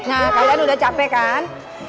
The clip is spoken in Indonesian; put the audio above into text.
nah kalian udah capek kan